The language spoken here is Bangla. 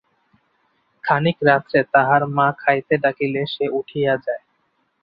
খানিক রাত্রে তাহার মা খাইতে ডাকিলে সে উঠিয়া যায়।